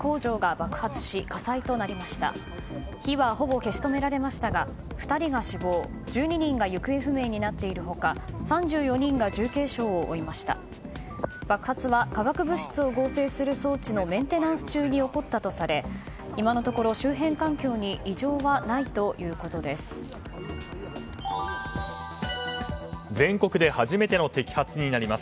爆発は化学物質を合成する装置のメンテナンス中に起こったとされ今のところ周辺環境に異常はないということです。